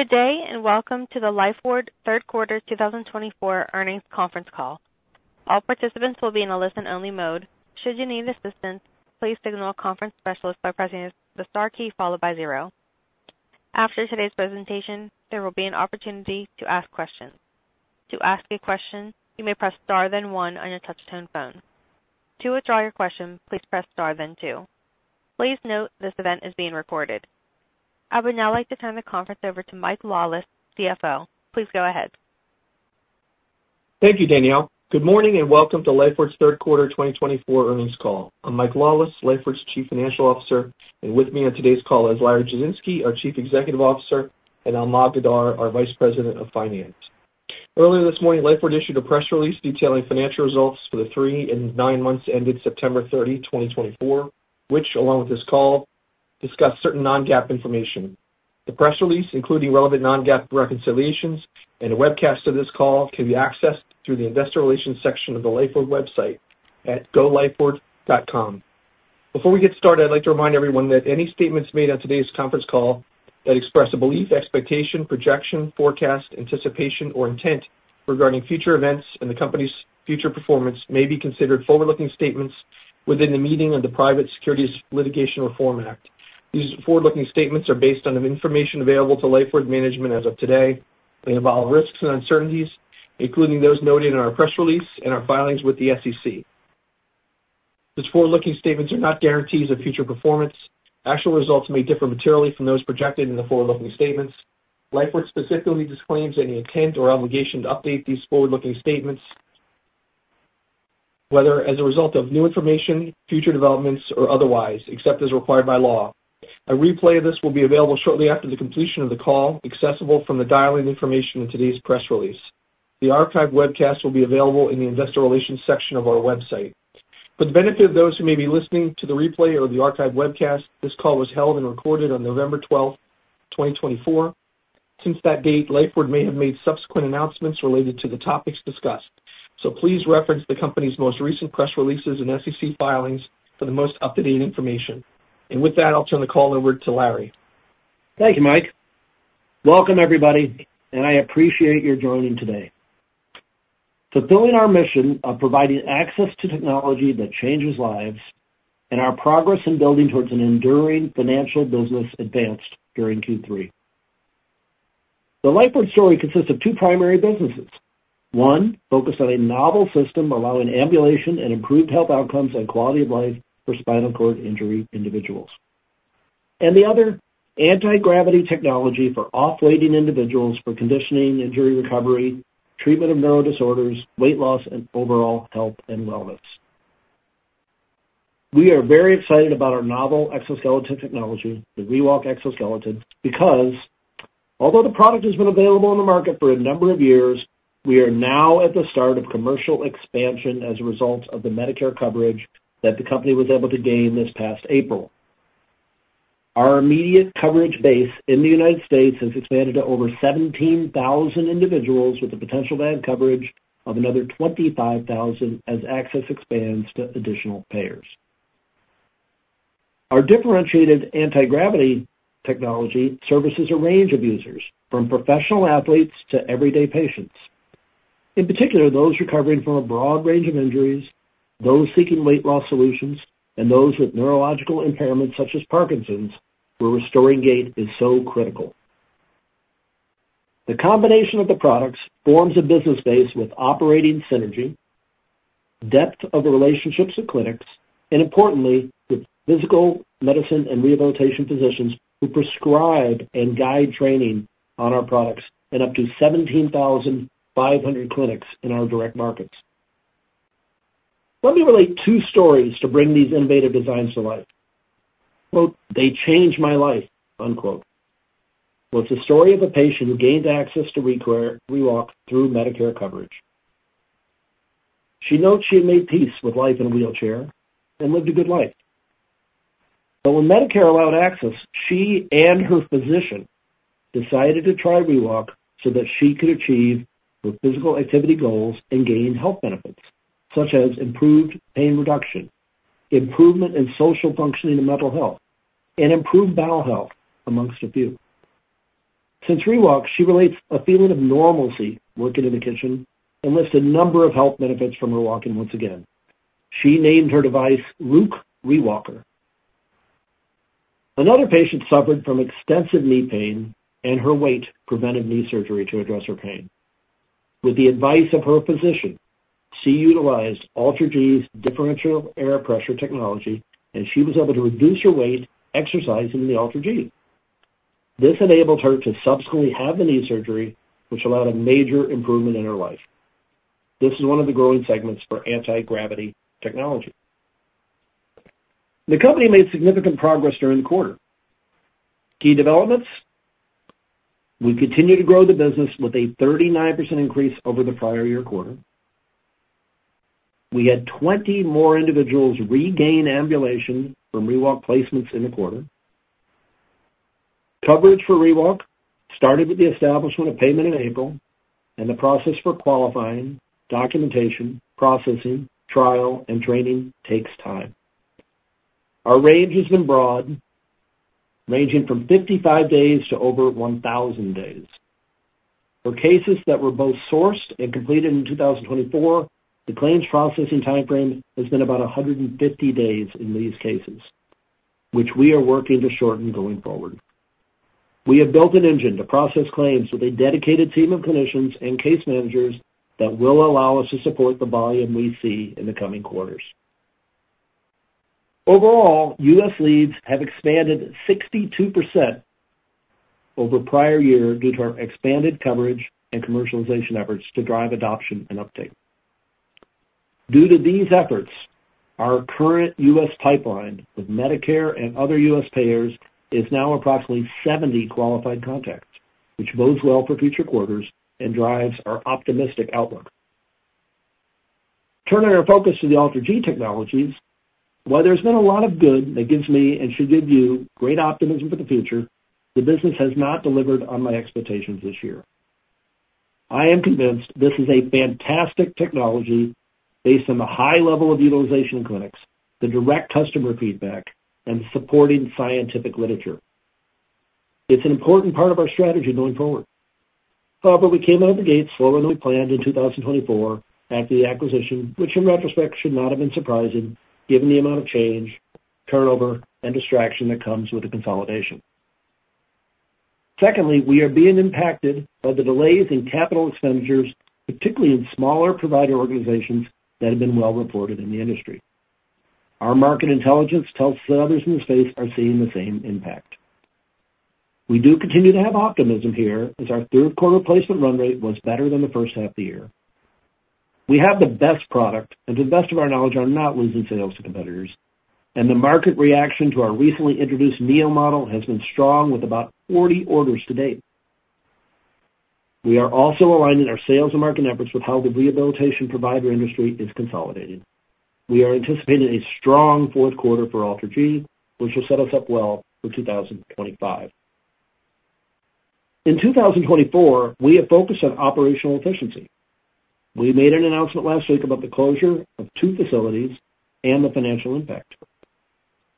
Good day and welcome to the Lifeward Third Quarter 2024 earnings conference call. All participants will be in a listen-only mode. Should you need assistance, please signal a conference specialist by pressing the star key followed by zero. After today's presentation, there will be an opportunity to ask questions. To ask a question, you may press star then one on your touch-tone phone. To withdraw your question, please press star then two. Please note this event is being recorded. I would now like to turn the conference over to Mike Lawless, CFO. Please go ahead. Thank you, Danielle. Good morning and welcome to Lifeward's Third Quarter 2024 earnings call. I'm Mike Lawless, Lifeward's Chief Financial Officer, and with me on today's call is Larry Jasinski, our Chief Executive Officer, and Almog Adar, our Vice President of Finance. Earlier this morning, Lifeward issued a press release detailing financial results for the three and nine months ended September 30, 2024, which, along with this call, discussed certain Non-GAAP information. The press release, including relevant Non-GAAP reconciliations and a webcast of this call, can be accessed through the Investor Relations section of the Lifeward website at golifeward.com. Before we get started, I'd like to remind everyone that any statements made on today's conference call that express a belief, expectation, projection, forecast, anticipation, or intent regarding future events and the company's future performance may be considered forward-looking statements within the meaning of the Private Securities Litigation Reform Act. These forward-looking statements are based on the information available to Lifeward management as of today and involve risks and uncertainties, including those noted in our press release and our filings with the SEC. These forward-looking statements are not guarantees of future performance. Actual results may differ materially from those projected in the forward-looking statements. Lifeward specifically disclaims any intent or obligation to update these forward-looking statements, whether as a result of new information, future developments, or otherwise, except as required by law. A replay of this will be available shortly after the completion of the call, accessible from the dial-in information in today's press release. The archived webcast will be available in the investor relations section of our website. For the benefit of those who may be listening to the replay or the archived webcast, this call was held and recorded on November 12th, 2024. Since that date, Lifeward may have made subsequent announcements related to the topics discussed, so please reference the company's most recent press releases and SEC filings for the most up-to-date information, and with that, I'll turn the call over to Larry. Thank you, Mike. Welcome, everybody, and I appreciate your joining today. Fulfilling our mission of providing access to technology that changes lives and our progress in building towards an enduring financial business advanced during Q3. The Lifeward story consists of two primary businesses. One focused on a novel system allowing ambulation and improved health outcomes and quality of life for spinal cord injury individuals, and the other anti-gravity technology for off-loading individuals for conditioning, injury recovery, treatment of neuro disorders, weight loss, and overall health and wellness. We are very excited about our novel exoskeleton technology, the ReWalk Exoskeleton, because although the product has been available in the market for a number of years, we are now at the start of commercial expansion as a result of the Medicare coverage that the company was able to gain this past April. Our immediate coverage base in the United States has expanded to over 17,000 individuals with the potential to add coverage of another 25,000 as access expands to additional payers. Our differentiated anti-gravity technology services a range of users, from professional athletes to everyday patients. In particular, those recovering from a broad range of injuries, those seeking weight loss solutions, and those with neurological impairments such as Parkinson's, where restoring gait is so critical. The combination of the products forms a business base with operating synergy, depth of relationships to clinics, and importantly, with physical medicine and rehabilitation physicians who prescribe and guide training on our products in up to 17,500 clinics in our direct markets. Let me relate two stories to bring these innovative designs to life. They changed my life. It's a story of a patient who gained access to ReWalk through Medicare coverage. She notes she had made peace with life in a wheelchair and lived a good life. But when Medicare allowed access, she and her physician decided to try ReWalk so that she could achieve her physical activity goals and gain health benefits such as improved pain reduction, improvement in social functioning and mental health, and improved bowel health, amongst a few. Since ReWalk, she relates a feeling of normalcy working in the kitchen and lists a number of health benefits from her walking once again. She named her device Luke ReWalker. Another patient suffered from extensive knee pain, and her weight prevented knee surgery to address her pain. With the advice of her physician, she utilized AlterG's differential air pressure technology, and she was able to reduce her weight exercising the AlterG. This enabled her to subsequently have the knee surgery, which allowed a major improvement in her life. This is one of the growing segments for anti-gravity technology. The company made significant progress during the quarter. Key developments: we continue to grow the business with a 39% increase over the prior year quarter. We had 20 more individuals regain ambulation from ReWalk placements in the quarter. Coverage for ReWalk started with the establishment of payment in April, and the process for qualifying, documentation, processing, trial, and training takes time. Our range has been broad, ranging from 55 days to over 1,000 days. For cases that were both sourced and completed in 2024, the claims processing timeframe has been about 150 days in these cases, which we are working to shorten going forward. We have built an engine to process claims with a dedicated team of clinicians and case managers that will allow us to support the volume we see in the coming quarters. Overall, U.S. Leads have expanded 62% over prior year due to our expanded coverage and commercialization efforts to drive adoption and uptake. Due to these efforts, our current U.S. pipeline with Medicare and other U.S. payers is now approximately 70 qualified contacts, which bodes well for future quarters and drives our optimistic outlook. Turning our focus to the AlterG technologies, while there's been a lot of good that gives me and should give you great optimism for the future, the business has not delivered on my expectations this year. I am convinced this is a fantastic technology based on the high level of utilization in clinics, the direct customer feedback, and the supporting scientific literature. It's an important part of our strategy going forward. However, we came out of the gate slower than we planned in 2024 after the acquisition, which in retrospect should not have been surprising given the amount of change, turnover, and distraction that comes with the consolidation. Secondly, we are being impacted by the delays in capital expenditures, particularly in smaller provider organizations that have been well reported in the industry. Our market intelligence tells us that others in the space are seeing the same impact. We do continue to have optimism here as our third quarter placement run rate was better than the first half of the year. We have the best product, and to the best of our knowledge, are not losing sales to competitors, and the market reaction to our recently introduced Neo model has been strong with about 40 orders to date. We are also aligning our sales and marketing efforts with how the rehabilitation provider industry is consolidating. We are anticipating a strong fourth quarter for AlterG, which will set us up well for 2025. In 2024, we have focused on operational efficiency. We made an announcement last week about the closure of two facilities and the financial impact.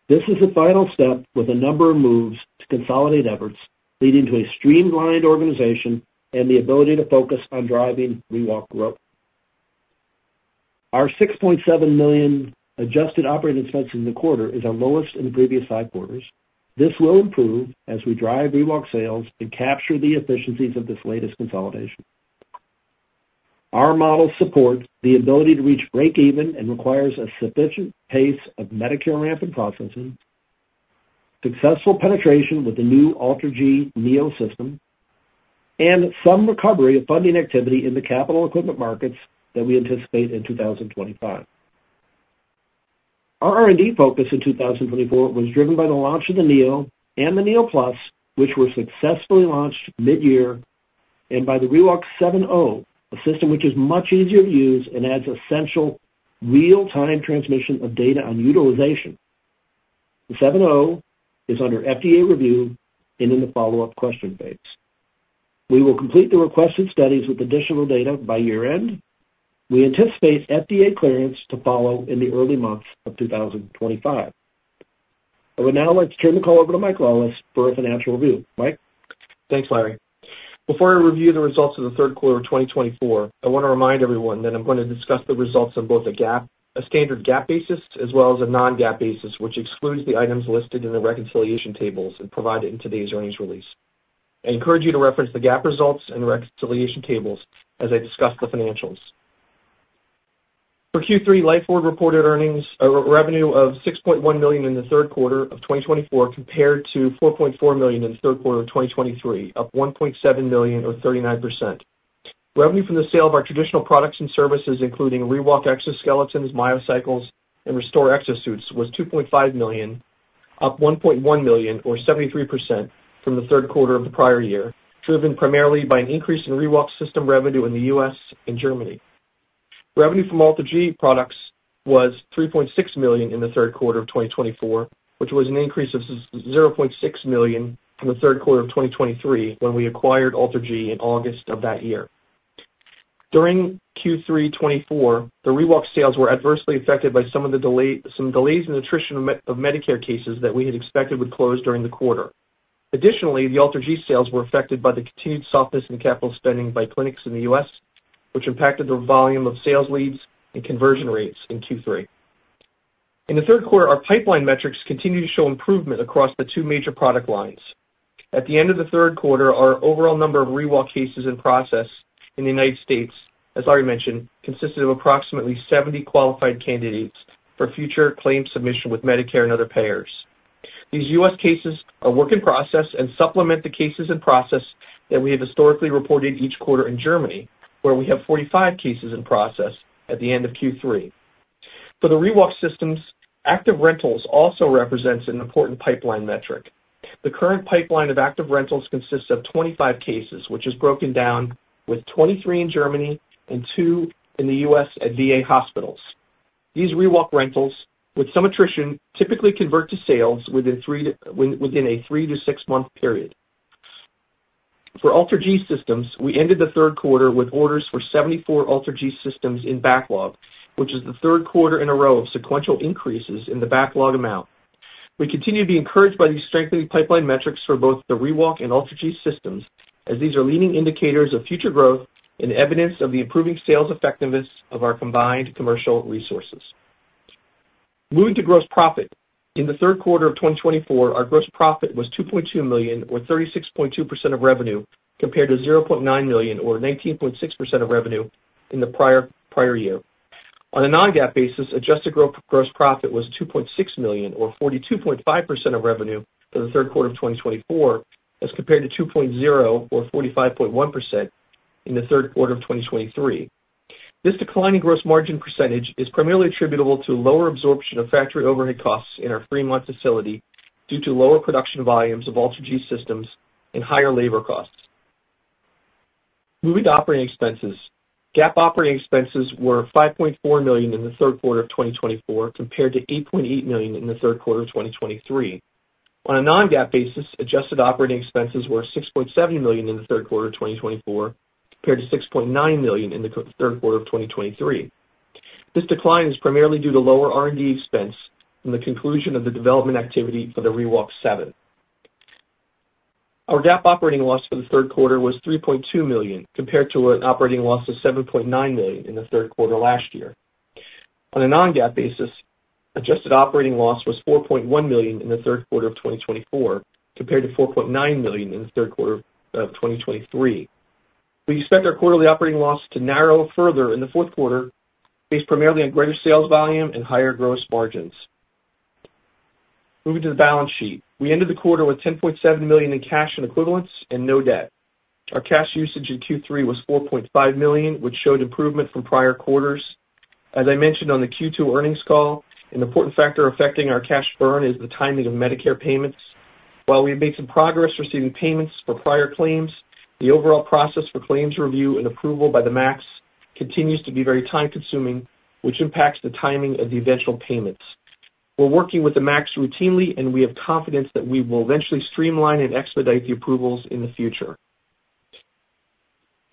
This is the final step with a number of moves to consolidate efforts, leading to a streamlined organization and the ability to focus on driving ReWalk growth. Our $6.7 million adjusted operating expenses in the quarter is our lowest in previous five quarters. This will improve as we drive ReWalk sales and capture the efficiencies of this latest consolidation. Our model supports the ability to reach break-even and requires a sufficient pace of Medicare ramp and processing, successful penetration with the new AlterG Neo system, and some recovery of funding activity in the capital equipment markets that we anticipate in 2025. Our R&D focus in 2024 was driven by the launch of the Neo and the Neo Plus, which were successfully launched mid-year, and by the ReWalk 7.0, a system which is much easier to use and adds essential real-time transmission of data on utilization. The 7.0 is under FDA review and in the follow-up question phase. We will complete the requested studies with additional data by year-end. We anticipate FDA clearance to follow in the early months of 2025. But now let's turn the call over to Mike Lawless for a financial review. Mike. Thanks, Larry. Before I review the results of the third quarter of 2024, I want to remind everyone that I'm going to discuss the results on both a standard GAAP basis as well as a non-GAAP basis, which excludes the items listed in the reconciliation tables provided in today's earnings release. I encourage you to reference the GAAP results and reconciliation tables as I discuss the financials. For Q3, Lifeward reported revenue of $6.1 million in the third quarter of 2024 compared to $4.4 million in the third quarter of 2023, up $1.7 million, or 39%. Revenue from the sale of our traditional products and services, including ReWalk Exoskeletons, MyoCycles, and ReStore Exo-Suits, was $2.5 million, up $1.1 million, or 73% from the third quarter of the prior year, driven primarily by an increase in ReWalk system revenue in the U.S. and Germany. Revenue from AlterG products was $3.6 million in the third quarter of 2024, which was an increase of $0.6 million in the third quarter of 2023 when we acquired AlterG in August of that year. During Q3 2024, the ReWalk sales were adversely affected by some delays in the adjudication of Medicare cases that we had expected would close during the quarter. Additionally, the AlterG sales were affected by the continued softness in capital spending by clinics in the U.S., which impacted the volume of sales leads and conversion rates in Q3. In the third quarter, our pipeline metrics continue to show improvement across the two major product lines. At the end of the third quarter, our overall number of ReWalk cases in process in the United States, as I already mentioned, consisted of approximately 70 qualified candidates for future claim submission with Medicare and other payers. These U.S. cases are works in process and supplement the cases in process that we have historically reported each quarter in Germany, where we have 45 cases in process at the end of Q3. For the ReWalk systems, active rentals also represents an important pipeline metric. The current pipeline of active rentals consists of 25 cases, which is broken down with 23 in Germany and two in the U.S. at VA hospitals. These ReWalk rentals, with some attrition, typically convert to sales within a three- to six-month period. For AlterG systems, we ended the third quarter with orders for 74 AlterG systems in backlog, which is the third quarter in a row of sequential increases in the backlog amount. We continue to be encouraged by these strengthening pipeline metrics for both the ReWalk and AlterG systems, as these are leading indicators of future growth and evidence of the improving sales effectiveness of our combined commercial resources. Moving to gross profit. In the third quarter of 2024, our gross profit was $2.2 million, or 36.2% of revenue, compared to $0.9 million, or 19.6% of revenue in the prior year. On a non-GAAP basis, adjusted gross profit was $2.6 million, or 42.5% of revenue for the third quarter of 2024, as compared to $2.0 million, or 45.1%, in the third quarter of 2023. This declining gross margin percentage is primarily attributable to lower absorption of factory overhead costs in our three-month facility due to lower production volumes of AlterG systems and higher labor costs. Moving to operating expenses. GAAP operating expenses were $5.4 million in the third quarter of 2024, compared to $8.8 million in the third quarter of 2023. On a non-GAAP basis, adjusted operating expenses were $6.7 million in the third quarter of 2024, compared to $6.9 million in the third quarter of 2023. This decline is primarily due to lower R&D expense and the conclusion of the development activity for the ReWalk 7. Our GAAP operating loss for the third quarter was $3.2 million, compared to an operating loss of $7.9 million in the third quarter last year. On a non-GAAP basis, adjusted operating loss was $4.1 million in the third quarter of 2024, compared to $4.9 million in the third quarter of 2023. We expect our quarterly operating loss to narrow further in the fourth quarter, based primarily on greater sales volume and higher gross margins. Moving to the balance sheet. We ended the quarter with $10.7 million in cash and equivalents and no debt. Our cash usage in Q3 was $4.5 million, which showed improvement from prior quarters. As I mentioned on the Q2 earnings call, an important factor affecting our cash burn is the timing of Medicare payments. While we have made some progress receiving payments for prior claims, the overall process for claims review and approval by the MACs continues to be very time-consuming, which impacts the timing of the eventual payments. We're working with the MACs routinely, and we have confidence that we will eventually streamline and expedite the approvals in the future.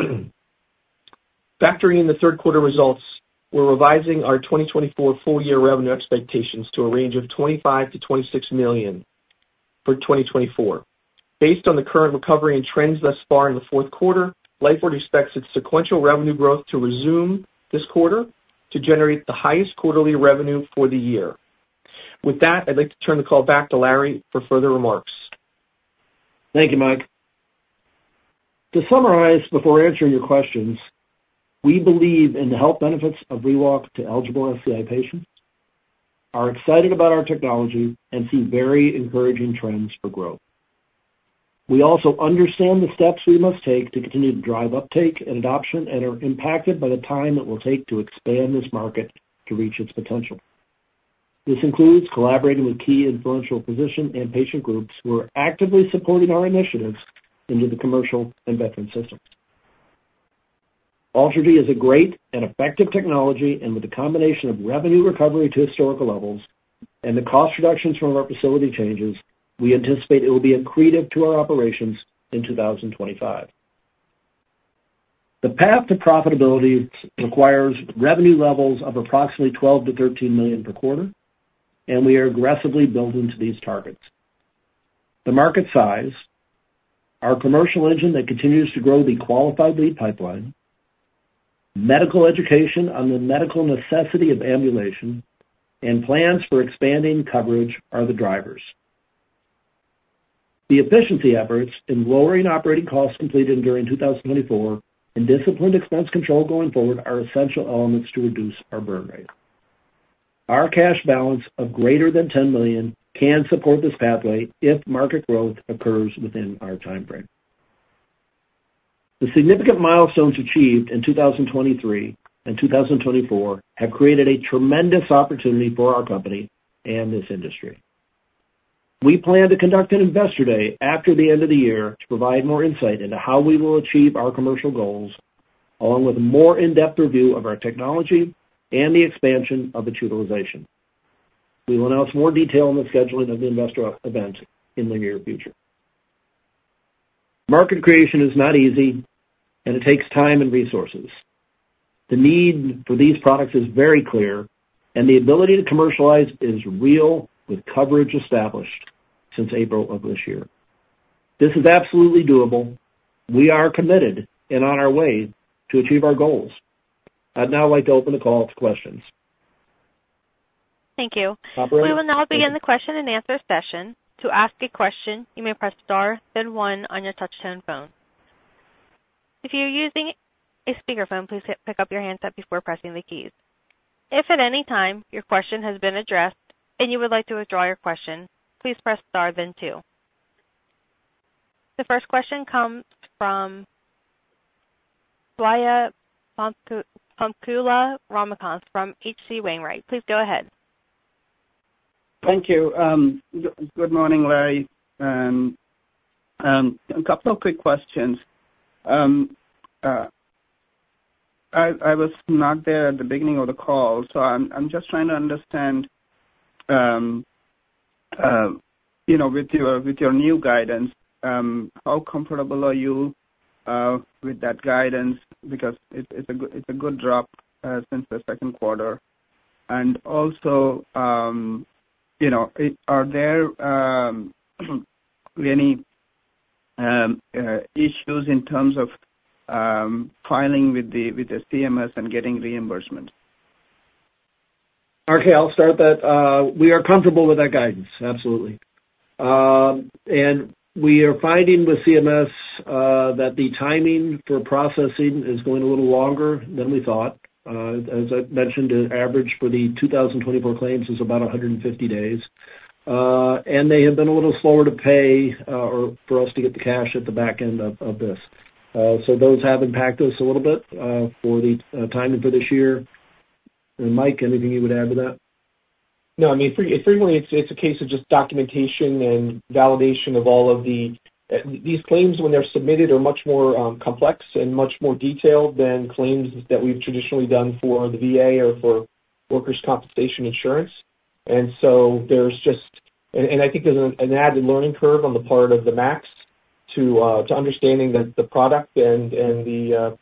Factoring in the third quarter results, we're revising our 2024 full-year revenue expectations to a range of $25 million-$26 million for 2024. Based on the current recovery and trends thus far in the fourth quarter, Lifeward expects its sequential revenue growth to resume this quarter to generate the highest quarterly revenue for the year. With that, I'd like to turn the call back to Larry for further remarks. Thank you, Mike. To summarize before answering your questions, we believe in the health benefits of ReWalk to eligible SCI patients, are excited about our technology, and see very encouraging trends for growth. We also understand the steps we must take to continue to drive uptake and adoption and are impacted by the time it will take to expand this market to reach its potential. This includes collaborating with key influential physician and patient groups who are actively supporting our initiatives into the commercial and veteran system. AlterG is a great and effective technology, and with the combination of revenue recovery to historical levels and the cost reductions from our facility changes, we anticipate it will be a credit to our operations in 2025. The path to profitability requires revenue levels of approximately $12 million-$13 million per quarter, and we are aggressively building to these targets. The market size, our commercial engine that continues to grow the qualified lead pipeline, medical education on the medical necessity of ambulation, and plans for expanding coverage are the drivers. The efficiency efforts in lowering operating costs completed during 2024 and disciplined expense control going forward are essential elements to reduce our burn rate. Our cash balance of greater than $10 million can support this pathway if market growth occurs within our timeframe. The significant milestones achieved in 2023 and 2024 have created a tremendous opportunity for our company and this industry. We plan to conduct an investor day after the end of the year to provide more insight into how we will achieve our commercial goals, along with a more in-depth review of our technology and the expansion of its utilization. We will announce more detail on the scheduling of the investor event in the near future. Market creation is not easy, and it takes time and resources. The need for these products is very clear, and the ability to commercialize is real with coverage established since April of this year. This is absolutely doable. We are committed and on our way to achieve our goals. I'd now like to open the call to questions. Thank you. We will now begin the question and answer session. To ask a question, you may press star then one on your touch-tone phone. If you're using a speakerphone, please pick up your handset before pressing the keys. If at any time your question has been addressed and you would like to withdraw your question, please press star then two. The first question comes from Swayampakula Ramakanth from H.C. Wainwright. Please go ahead. Thank you. Good morning, Larry. A couple of quick questions. I was not there at the beginning of the call, so I'm just trying to understand with your new guidance, how comfortable are you with that guidance? Because it's a good drop since the second quarter. And also, are there any issues in terms of filing with the CMS and getting reimbursement? Okay, I'll start that. We are comfortable with that guidance, absolutely. And we are finding with CMS that the timing for processing is going a little longer than we thought. As I mentioned, the average for the 2024 claims is about 150 days, and they have been a little slower to pay for us to get the cash at the back end of this. So those have impacted us a little bit for the timing for this year. Mike, anything you would add to that? No, I mean, frequently it's a case of just documentation and validation of all of the these claims when they're submitted are much more complex and much more detailed than claims that we've traditionally done for the VA or for workers' compensation insurance. And so there's just and I think there's an added learning curve on the part of the MACs to understanding that the product and the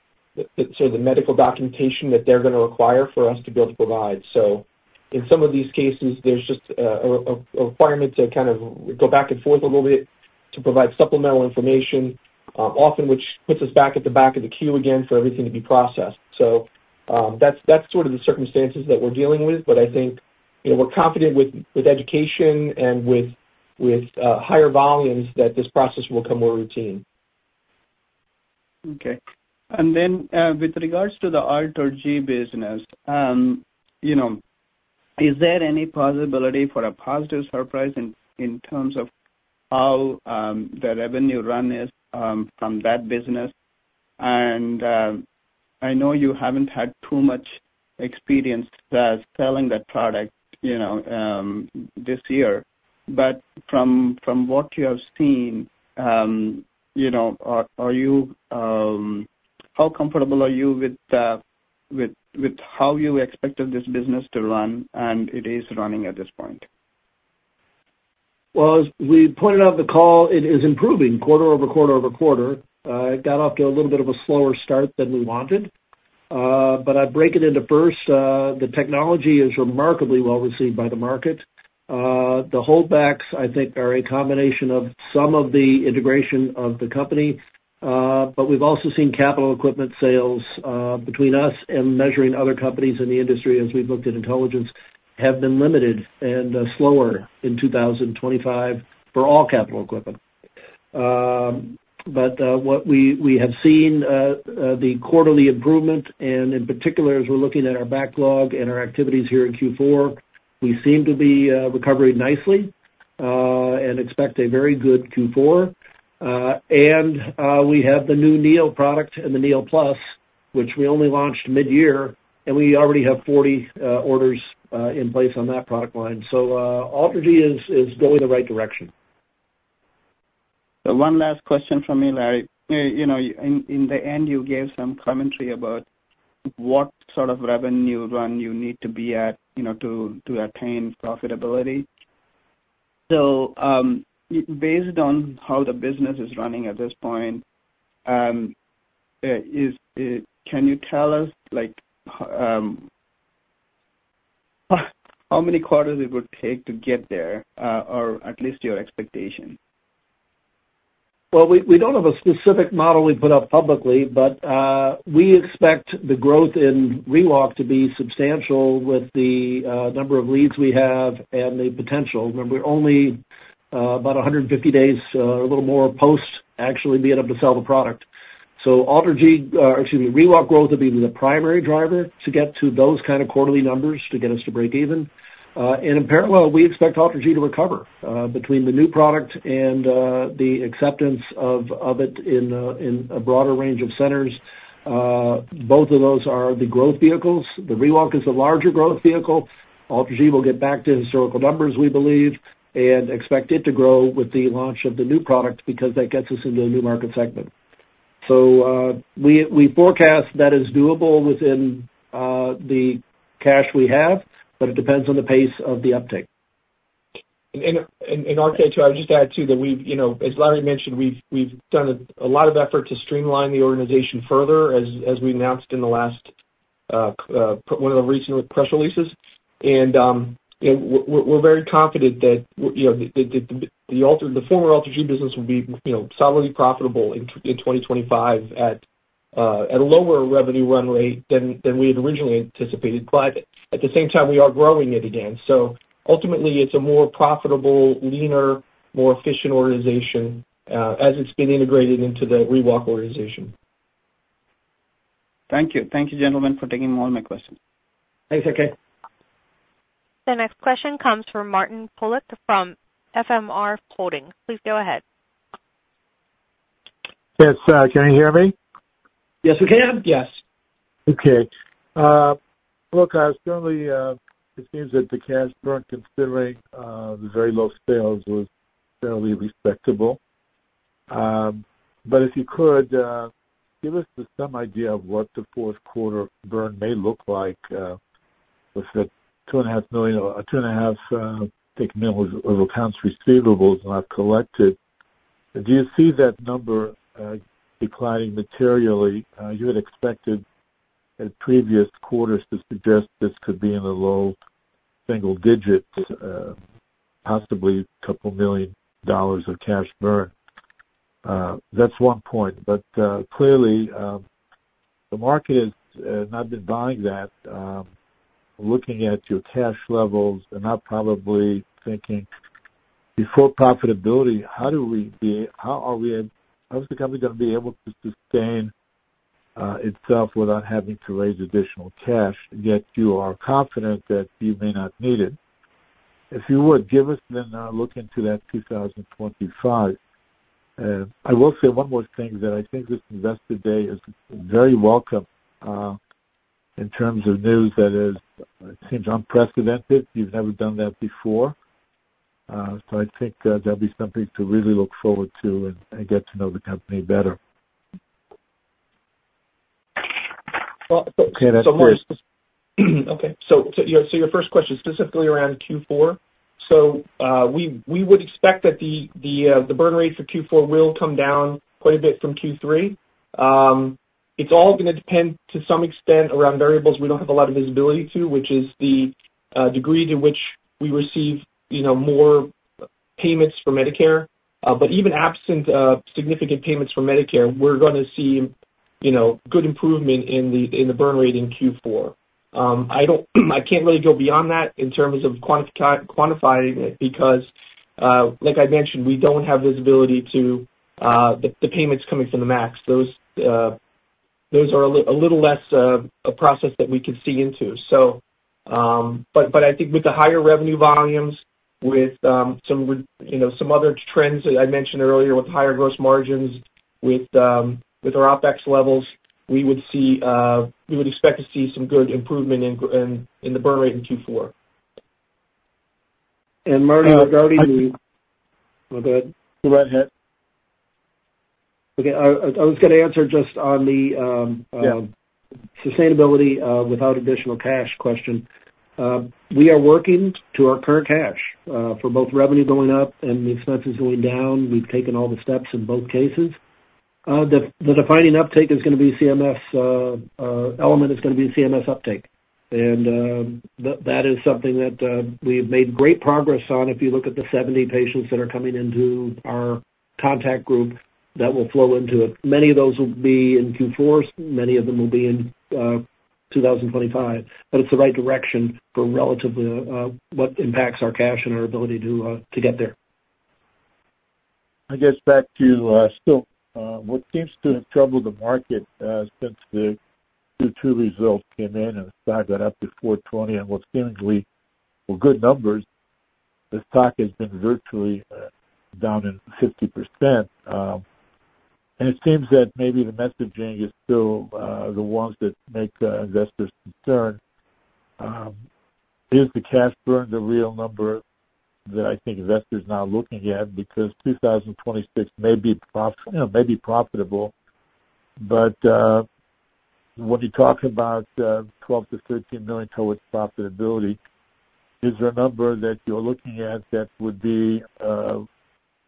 sort of the medical documentation that they're going to require for us to be able to provide. So in some of these cases, there's just a requirement to kind of go back and forth a little bit to provide supplemental information, often which puts us back at the back of the queue again for everything to be processed. So that's sort of the circumstances that we're dealing with, but I think we're confident with education and with higher volumes that this process will become more routine. Okay. And then with regards to the AlterG business, is there any possibility for a positive surprise in terms of how the revenue run is from that business? And I know you haven't had too much experience selling that product this year, but from what you have seen, how comfortable are you with how you expected this business to run and it is running at this point? As we pointed out in the call, it is improving quarter over quarter over quarter. It got off to a little bit of a slower start than we wanted, but I'd break it into bursts. The technology is remarkably well received by the market. The holdbacks, I think, are a combination of some of the integration of the company, but we've also seen capital equipment sales between us and measuring other companies in the industry, as we've looked at intelligence, have been limited and slower in 2025 for all capital equipment. But what we have seen, the quarterly improvement, and in particular, as we're looking at our backlog and our activities here in Q4, we seem to be recovering nicely and expect a very good Q4. We have the new Neo product and the Neo Plus, which we only launched mid-year, and we already have 40 orders in place on that product line. AlterG is going the right direction. One last question for me, Larry. In the end, you gave some commentary about what sort of revenue run you need to be at to attain profitability. So based on how the business is running at this point, can you tell us how many quarters it would take to get there, or at least your expectation? We don't have a specific model we put out publicly, but we expect the growth in ReWalk to be substantial with the number of leads we have and the potential. Remember, only about 150 days, a little more post actually being able to sell the product. AlterG, or excuse me, ReWalk growth would be the primary driver to get to those kind of quarterly numbers to get us to break even. In parallel, we expect AlterG to recover between the new product and the acceptance of it in a broader range of centers. Both of those are the growth vehicles. The ReWalk is the larger growth vehicle. AlterG will get back to historical numbers, we believe, and expect it to grow with the launch of the new product because that gets us into a new market segment. So we forecast that is doable within the cash we have, but it depends on the pace of the uptake. In our case, I would just add too that we've, as Larry mentioned, we've done a lot of effort to streamline the further, as we announced in the last one of the recent press releases, and we're very confident that the former AlterG business will be solidly profitable in 2025organization at a lower revenue run rate than we had originally anticipated, but at the same time, we are growing it again, so ultimately, it's a more profitable, leaner, more efficient organization as it's been integrated into the ReWalk organization. Thank you. Thank you, gentlemen, for taking all my questions. Thanks. Okay. The next question comes from Martin Pulick from FMR Holdings. Please go ahead. Yes. Can you hear me? Yes, we can. Yes. Okay. Look, it seems that the cash burn considering the very low sales was fairly respectable. But if you could give us some idea of what the fourth quarter burn may look like with the $2.5 million or $2.5 million over accounts receivables not collected, do you see that number declining materially? You had expected previous quarters to suggest this could be in the low single digits, possibly $2 million of cash burn. That's one point. But clearly, the market has not been buying that. Looking at your cash levels and not probably thinking before profitability, how is the company going to be able to sustain itself without having to raise additional cash yet you are confident that you may not need it? If you would, give us then a look into that 2025. I will say one more thing that I think this investor day is very welcome in terms of news that is, it seems, unprecedented. You've never done that before. So I think that'll be something to really look forward to and get to know the company better. Okay. So your first question specifically around Q4. So we would expect that the burn rate for Q4 will come down quite a bit from Q3. It's all going to depend to some extent around variables we don't have a lot of visibility to, which is the degree to which we receive more payments for Medicare. But even absent significant payments for Medicare, we're going to see good improvement in the burn rate in Q4. I can't really go beyond that in terms of quantifying it because, like I mentioned, we don't have visibility to the payments coming from the MACs. Those are a little less a process that we could see into. But I think with the higher revenue volumes, with some other trends that I mentioned earlier, with higher gross margins, with our OpEx levels, we would expect to see some good improvement in the burn rate in Q4. Martin, regarding the. Oh, go ahead. Go right ahead. Okay. I was going to answer just on the sustainability without additional cash question. We are working to our current cash for both revenue going up and the expenses going down. We've taken all the steps in both cases. The defining uptake is going to be CMS element is going to be CMS uptake. And that is something that we've made great progress on. If you look at the 70 patients that are coming into our contact group, that will flow into it. Many of those will be in Q4. Many of them will be in 2025. But it's the right direction for relatively what impacts our cash and our ability to get there. I guess back to still what seems to have troubled the market since the Q2 results came in and the stock got up to 420, and what seems to be good numbers, the stock has been virtually down 50%. And it seems that maybe the messaging is still the ones that make investors concerned. Is the cash burn the real number that I think investors are now looking at? Because 2026 may be profitable, but when you talk about $12 million -$13 million towards profitability, is there a number that you're looking at that would be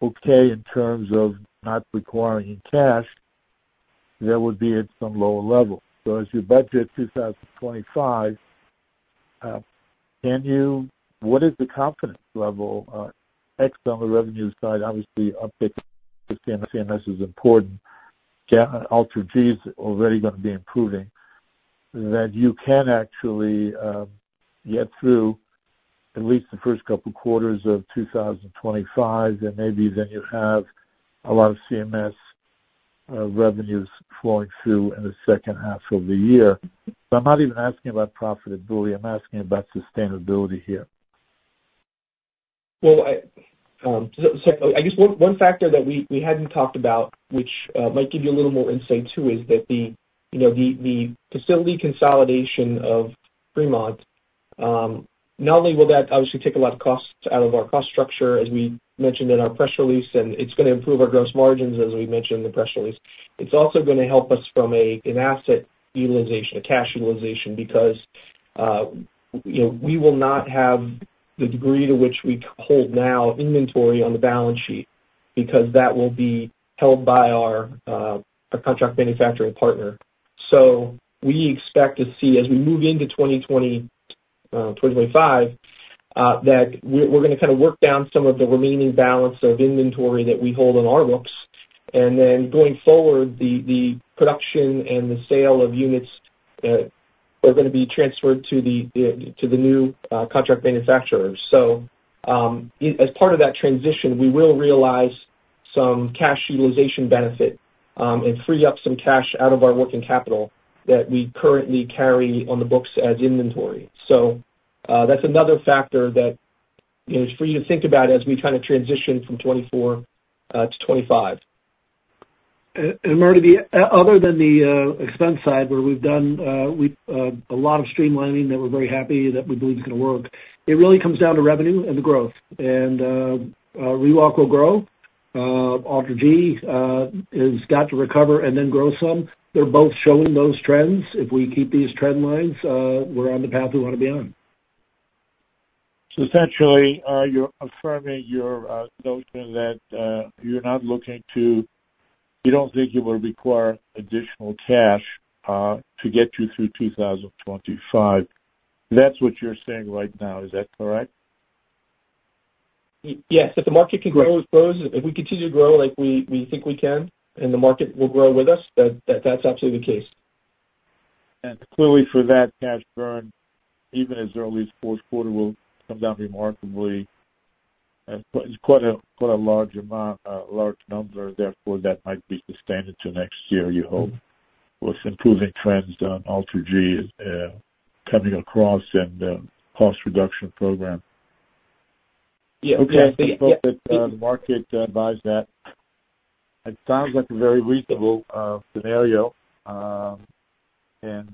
okay in terms of not requiring cash that would be at some lower level? So as you budget 2025, what is the confidence level? Except on the revenue side, obviously, uptake of CMS is important. AlterG is already going to be improving that you can actually get through at least the first couple of quarters of 2025, and maybe then you have a lot of CMS revenues flowing through in the second half of the year. But I'm not even asking about profitability. I'm asking about sustainability here. I guess one factor that we hadn't talked about, which might give you a little more insight too, is that the facility consolidation of Fremont not only will that obviously take a lot of costs out of our cost structure, as we mentioned in our press release, and it's going to improve our gross margins, as we mentioned in the press release. It's also going to help us from an asset utilization, a cash utilization, because we will not have the degree to which we hold now inventory on the balance sheet because that will be held by our contract manufacturing partner. We expect to see, as we move into 2025, that we're going to kind of work down some of the remaining balance of inventory that we hold on our books. Then going forward, the production and the sale of units are going to be transferred to the new contract manufacturers. As part of that transition, we will realize some cash utilization benefit and free up some cash out of our working capital that we currently carry on the books as inventory. That's another factor that is for you to think about as we kind of transition from 2024-2025. And Martin, other than the expense side, where we've done a lot of streamlining that we're very happy that we believe is going to work, it really comes down to revenue and the growth. And ReWalk will grow. AlterG has got to recover and then grow some. They're both showing those trends. If we keep these trend lines, we're on the path we want to be on. So essentially, you're affirming your notion that you're not looking to—you don't think you will require additional cash to get you through 2025. That's what you're saying right now. Is that correct? Yes. If the market can grow, if we continue to grow like we think we can, and the market will grow with us, that's absolutely the case. And clearly, for that cash burn, even as early as fourth quarter, will come down remarkably. It's quite a large number. Therefore, that might be sustained into next year, you hope, with improving trends on AlterG coming across and the cost reduction program. Yes. Okay. I hope that the market buys that. It sounds like a very reasonable scenario. And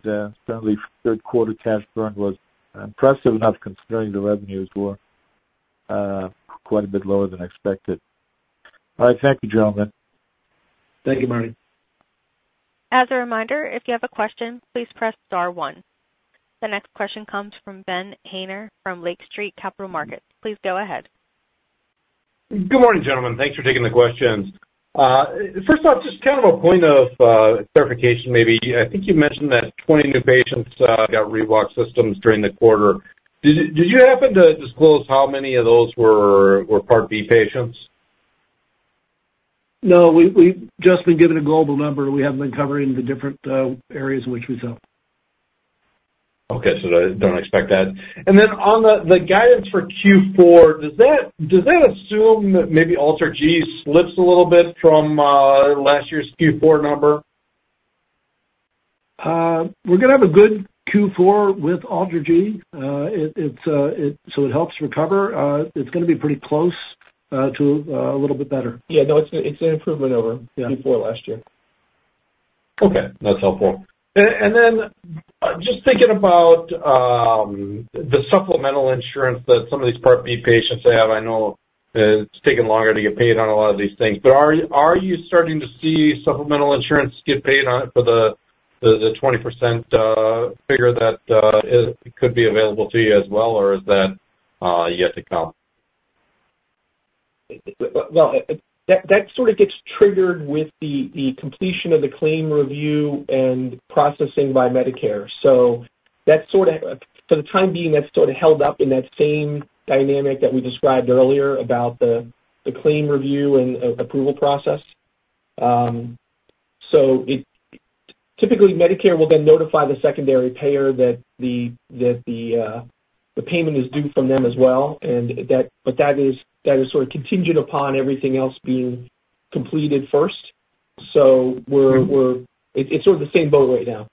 certainly, third quarter cash burn was impressive enough considering the revenues were quite a bit lower than expected. All right. Thank you, gentlemen. Thank you, Martin. As a reminder, if you have a question, please press star one. The next question comes from Ben Haynor from Lake Street Capital Markets. Please go ahead. Good morning, gentlemen. Thanks for taking the questions. First off, just kind of a point of clarification maybe. I think you mentioned that 20 new patients got ReWalk systems during the quarter. Did you happen to disclose how many of those were Part B patients? No. We've just been given a global number. We haven't been covering the different areas in which we sell. Okay. So I don't expect that. And then on the guidance for Q4, does that assume that maybe AlterG slips a little bit from last year's Q4 number? We're going to have a good Q4 with AlterG. So it helps recover. It's going to be pretty close to a little bit better. Yeah. No, it's an improvement over Q4 last year. Okay. That's helpful. And then just thinking about the supplemental insurance that some of these Part B patients have, I know it's taken longer to get paid on a lot of these things. But are you starting to see supplemental insurance get paid on it for the 20% figure that could be available to you as well, or is that yet to come? Well, that sort of gets triggered with the completion of the claim review and processing by Medicare. So for the time being, that's sort of held up in that same dynamic that we described earlier about the claim review and approval process. So typically, Medicare will then notify the secondary payer that the payment is due from them as well. But that is sort of contingent upon everything else being completed first. So it's sort of the same boat right now.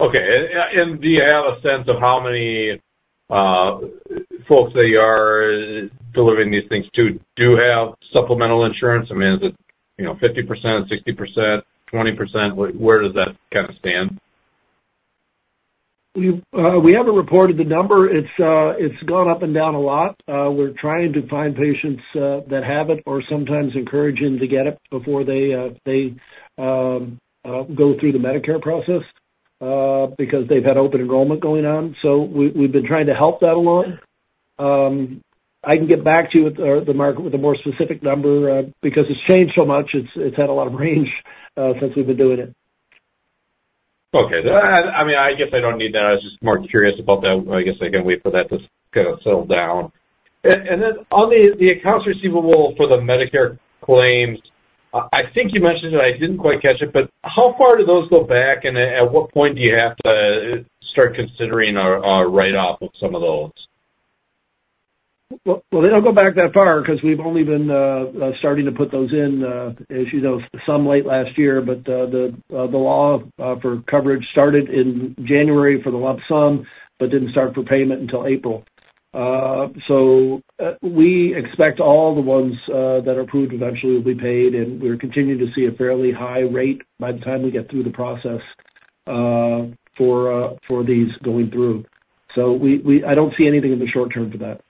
Okay. And do you have a sense of how many folks that you are delivering these things to do have supplemental insurance? I mean, is it 50%, 60%, 20%? Where does that kind of stand? We haven't reported the number. It's gone up and down a lot. We're trying to find patients that have it or sometimes encourage them to get it before they go through the Medicare process because they've had open enrollment going on. So we've been trying to help that a lot. I can get back to you with the more specific number because it's changed so much. It's had a lot of range since we've been doing it. Okay. I mean, I guess I don't need that. I was just more curious about that. I guess I can wait for that to kind of settle down. And then, on the accounts receivable for the Medicare claims, I think you mentioned it. I didn't quite catch it. But how far do those go back? And at what point do you have to start considering a write-off of some of those? They don't go back that far because we've only been starting to put those in, as you know, some late last year. The law for coverage started in January for the lump sum but didn't start for payment until April. We expect all the ones that are approved eventually will be paid. We're continuing to see a fairly high rate by the time we get through the process for these going through. I don't see anything in the short term for that.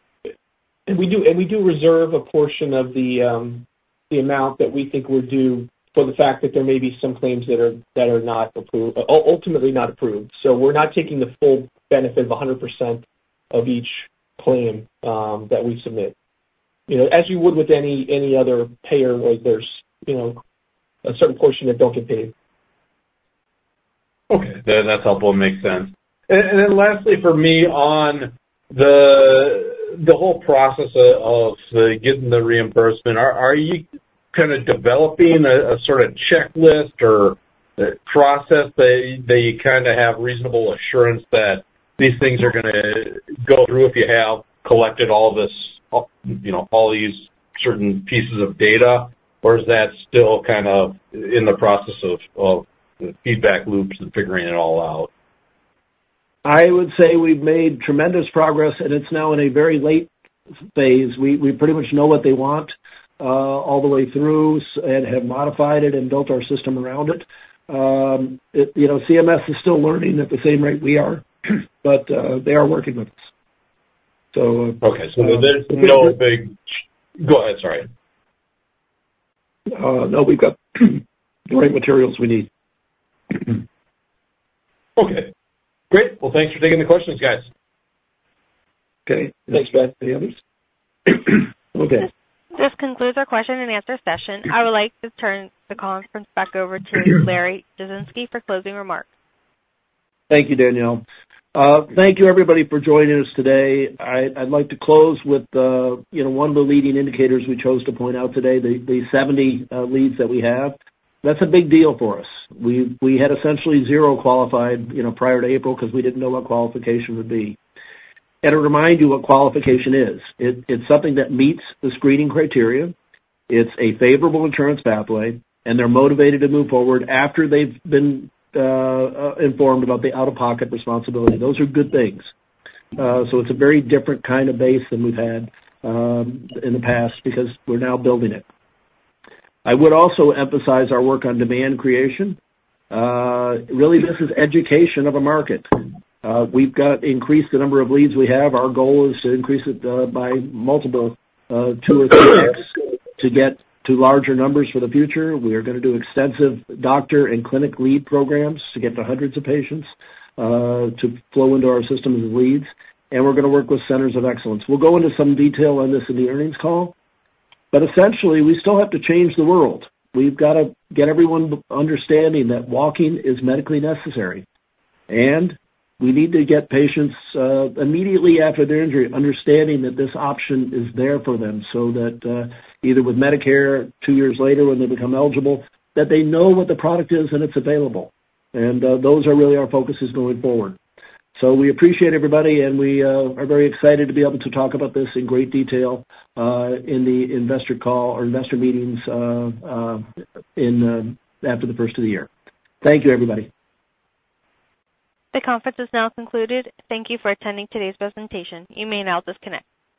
And we do reserve a portion of the amount that we think we're due for the fact that there may be some claims that are ultimately not approved. So we're not taking the full benefit of 100% of each claim that we submit, as you would with any other payer where there's a certain portion that don't get paid. Okay. That's helpful. Makes sense, and then lastly, for me, on the whole process of getting the reimbursement, are you kind of developing a sort of checklist or process that you kind of have reasonable assurance that these things are going to go through if you have collected all these certain pieces of data? Or is that still kind of in the process of feedback loops and figuring it all out? I would say we've made tremendous progress, and it's now in a very late phase. We pretty much know what they want all the way through and have modified it and built our system around it. CMS is still learning at the same rate we are, but they are working with us. Okay. So there's no big. Go ahead. Sorry. No, we've got the right materials we need. Okay. Great. Well, thanks for taking the questions, guys. Okay. Thanks, Ben. Any others? Okay. This concludes our question and answer session. I would like to turn the conference back over to Larry Jasinski for closing remarks. Thank you, Danielle. Thank you, everybody, for joining us today. I'd like to close with one of the leading indicators we chose to point out today, the 70 leads that we have. That's a big deal for us. We had essentially zero qualified prior to April because we didn't know what qualification would be, and I remind you what qualification is. It's something that meets the screening criteria. It's a favorable insurance pathway, and they're motivated to move forward after they've been informed about the out-of-pocket responsibility. Those are good things, so it's a very different kind of base than we've had in the past because we're now building it. I would also emphasize our work on demand creation. Really, this is education of a market. We've got to increase the number of leads we have. Our goal is to increase it by multiple two or three X to get to larger numbers for the future. We are going to do extensive doctor and clinic lead programs to get to hundreds of patients to flow into our systems of leads. And we're going to work with centers of excellence. We'll go into some detail on this in the earnings call. But essentially, we still have to change the world. We've got to get everyone understanding that walking is medically necessary. And we need to get patients immediately after their injury understanding that this option is there for them so that either with Medicare two years later when they become eligible, that they know what the product is and it's available. And those are really our focuses going forward. So we appreciate everybody, and we are very excited to be able to talk about this in great detail in the investor call or investor meetings after the first of the year. Thank you, everybody. The conference is now concluded. Thank you for attending today's presentation. You may now disconnect.